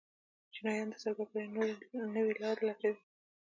چینایان د سوداګرۍ نوې لارې لټوي.